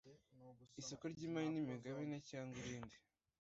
Isoko ry imari n imigabane cyangwa irindi